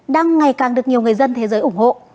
đang ngày càng được nhiều người dân thế giới ủng hộ